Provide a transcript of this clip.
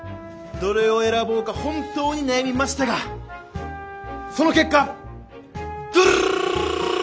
どれを選ぼうか本当に悩みましたがその結果ドゥルルルルルルルルルル！